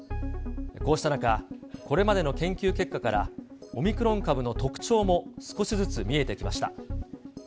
こうした中、これまでの研究結果から、オミクロン株の特徴も少しずつ見えてきました。